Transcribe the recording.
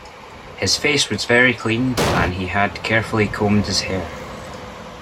His face was very clean, and he had carefully combed his hair